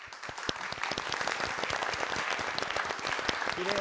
きれい。